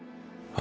あ